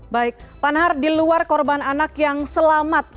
baik panhar di luar korban anak yang selamat